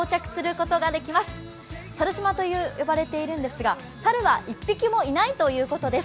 猿島と呼ばれているんですが、猿は１匹もいないということです。